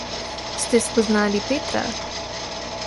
Ste spoznali Petra?